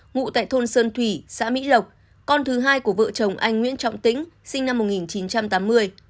ngụ tại thôn sơn thủy xã mỹ lộc con thứ hai của vợ chồng anh nguyễn trọng tĩnh sinh năm một nghìn chín trăm tám mươi